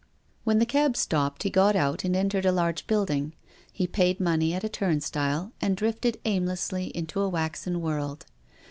When the cab stopped he got out and entered a large building. He paid money at a turnstile and drifted aimlessly into a waxen world.